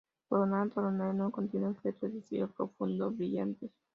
Corona Boreal no contiene objetos de cielo profundo brillantes.